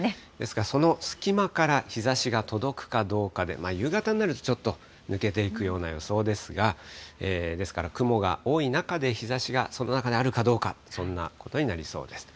その隙間から日ざしが届くかどうかで、夕方になると、ちょっと抜けていくような予想ですが、ですから、雲が多い中で日ざしがその中にあるかどうか、そんなことになりそうです。